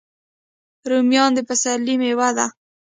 رومیان د پسرلي میوه ده